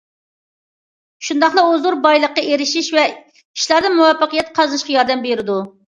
شۇنداقلا ئۇ زور بايلىققا ئېرىشىش ۋە ئىشلاردا مۇۋەپپەقىيەت قازىنىشقا ياردەم بېرىدۇ.